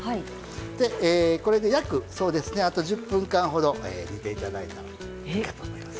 でこれで約そうですねあと１０分間ほど煮ていただいたらいいかと思います。